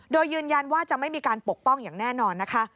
โดยยืนยันว่าจะไม่มีการปกป้องอย่างแน่นอนนะคะ